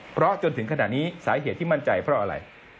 เพราะจนถึงขณะนี้สาเหตุที่มั่นใจเพราะอะไร